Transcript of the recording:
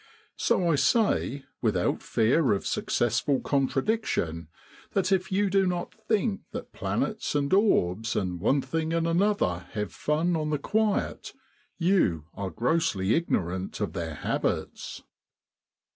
So I say, without fear of successful contradiction, that if you do not think that planets and orbs and one thing and another have fun on the quiet you are grossly ignorant of their habits.